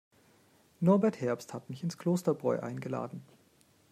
Norbert Herbst hat mich ins Klosterbräu eingeladen.